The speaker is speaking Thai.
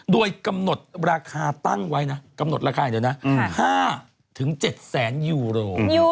โดยกำหนดราคาตั้งไว้นะ๕๗๐๐ยูโร